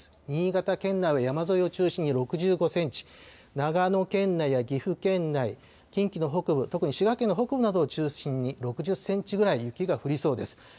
新潟県内は山沿いを中心に６５センチ、長野県内や岐阜県内、近畿の北部、特に滋賀県の北部などを中心に６０センチぐらい雪が降りそうです。